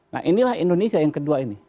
nah inilah indonesia yang kedua ini